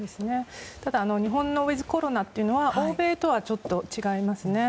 ただ日本のウィズコロナというのは欧米とはちょっと違いますね。